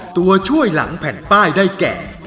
ตัวช่วยหลังแผ่นป้ายได้แก่